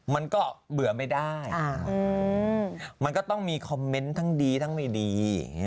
มันก็เบื่อไม่ได้มันก็ต้องมีคอมเมนต์ทั้งดีทั้งไม่ดี